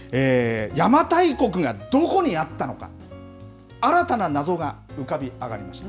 邪馬台国がどこにあったのか、新たな謎が浮かび上がりました。